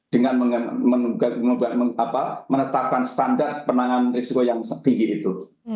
dengan menetapkan standar penanganan risiko yang tinggi itu